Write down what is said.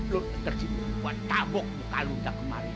lu terjibuk buat tabok muka lu tak kemarin